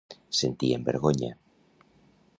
Sentien vergonya.